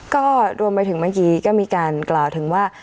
ก็รวมไปถึงเมื่อกี้ก็มีการกล่าวถึงว่า